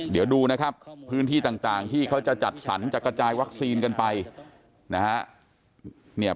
เดี๋ยวดูนะครับพื้นที่ต่างที่เขาจะจัดสรรจัดกระจายวัคซีนกันไปนะฮะ